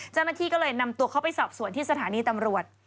เจ้าหน้าที่ก็เลยนำตัวเขาไปสอบสวนที่สถานีตำรวจ